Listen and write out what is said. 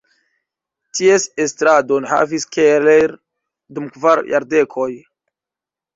Ties estradon havis Keller dum kvar jardekoj.